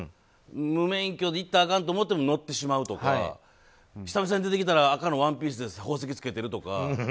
無免許でいったらあかんと思っても乗ってしまうとか久々に出てきたら赤のワンピースで宝石つけてるとか。